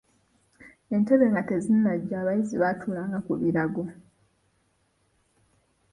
Entebe nga tezinnajja abayizi baatuulanga ku birago.